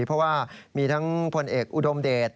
เพราะว่ามีทั้งพลเอกอุดมเดช